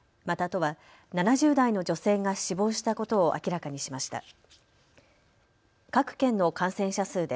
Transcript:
また都は７０代の女性が死亡したことを明らかにしました。